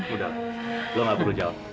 udah lu gak perlu jawab